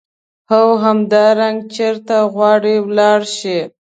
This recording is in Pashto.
او همدارنګه چیرته غواړې ولاړ شې.